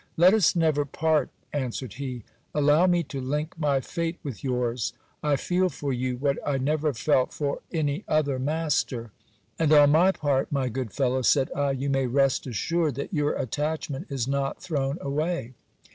Let us never part, answered he Allow me to link my fate with yours. I feel for you what I never felt for any other master. And on my part, my good fellow, said I, you may rest assured that your attachment is not thrown away.